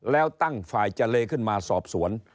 แล้วตั้งฝ่ายเจรขึ้นมาสอบสวน